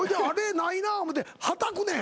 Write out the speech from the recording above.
ないな思うてはたくねん。